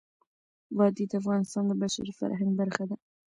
وادي د افغانستان د بشري فرهنګ برخه ده.